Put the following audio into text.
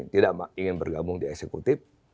tidak ingin bergabung di eksekutif